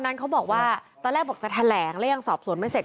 นั้นเขาบอกว่าตอนแรกบอกจะแถลงแล้วยังสอบสวนไม่เสร็จ